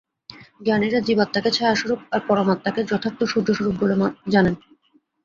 জ্ঞানীরা জীবাত্মাকে ছায়াস্বরূপ, আর পরমাত্মাকে যথার্থ সূর্যস্বরূপ বলে জানেন।